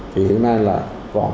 thì hiện nay là còn bốn mươi km